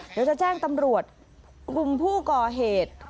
เดี๋ยวจะแจ้งตำรวจกลุ่มผู้ก่อเหตุ